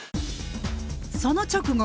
その直後。